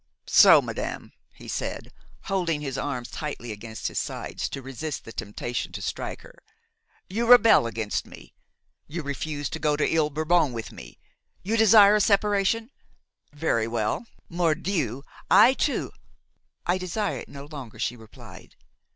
"So, madame," he said, holding his arms tightly against his sides to resist the temptation to strike her, "you rebel against me, you refuse to go to Ile Bourbon with me, you desire a separation? Very well! Mordieu! I too–" "I desire it no longer," she replied.